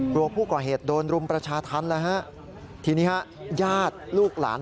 กลัวผู้ก่อเหตุโดนรุมประชาธรรมแล้วฮะทีนี้ฮะญาติลูกหลาน